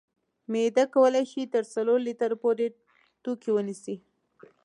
معده کولی شي تر څلورو لیترو پورې توکي ونیسي.